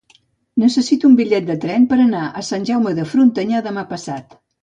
Necessito un bitllet de tren per anar a Sant Jaume de Frontanyà demà passat.